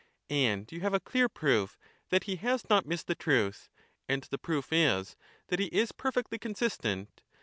And you have a clear proof that he has not missed the truth, and the proof is — that he is perfectly consistent.